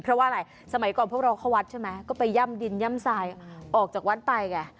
เพราะว่าอะไรสมัยก่อนพวกเราเข้าวัดใช่ไหมก็ไปย่ำดินย่ำทรายออกจากวัดไปไง